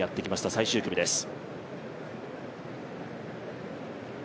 最終組です